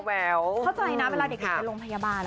เข้าใจนะเวลาเด็กไปโรงพยาบาล